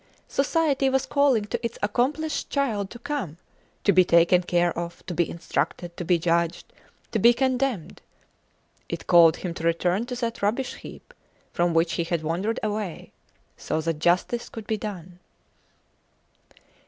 Society was calling to its accomplished child to come, to be taken care of, to be instructed, to be judged, to be condemned; it called him to return to that rubbish heap from which he had wandered away, so that justice could be done.